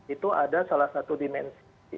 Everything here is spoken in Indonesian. itu ada salah satu dimensi